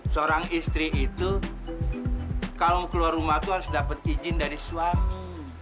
seorang istri itu kalau keluar rumah itu harus dapat izin dari suami